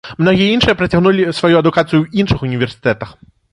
Многія іншыя працягнулі сваю адукацыю ў іншых універсітэтах.